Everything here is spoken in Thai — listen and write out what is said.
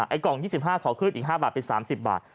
กล่อง๒๕ขอขึ้นอีก๕บาทเป็น๓๐บาท